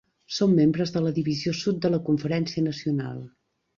Són membres de la Divisió Sud de la Conferència Nacional.